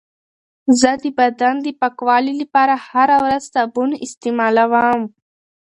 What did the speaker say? زه د بدن د پاکوالي لپاره هره ورځ صابون استعمالوم.